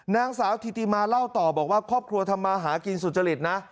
นางสาวถิติมาเล่าต่อบอกว่าครอบครัวทำมาหากินสุจริตนะ